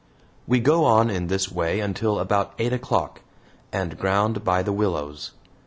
We go on in this way until about eight o'clock, and ground by the willows.